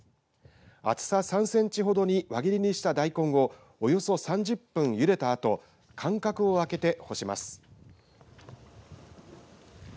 厚さ３センチほどに輪切りした大根をおよそ３０分ゆでたあと間隔をあけて干します。